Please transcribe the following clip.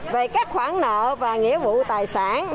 về các khoản nợ và nghĩa vụ tài sản